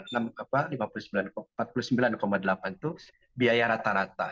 rp empat puluh sembilan delapan itu biaya rata rata